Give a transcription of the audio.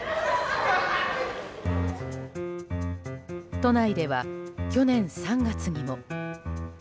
都内では、去年３月にも。